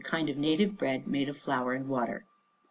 1 Kind of native bread made of flour and water.